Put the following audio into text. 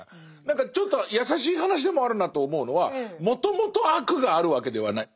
何かちょっと優しい話でもあるなと思うのはもともと悪があるわけではない。